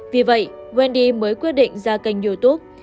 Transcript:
vì vậy wendy mới quyết định ra kênh youtube